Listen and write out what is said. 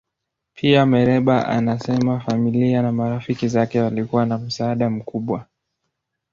Pia, Mereba anasema familia na marafiki zake walikuwa na msaada mkubwa.